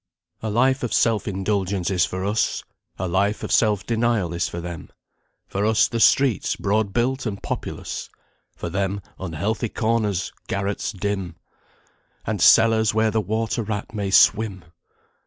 "A life of self indulgence is for us, A life of self denial is for them; For us the streets, broad built and populous, For them unhealthy corners, garrets dim, And cellars where the water rat may swim!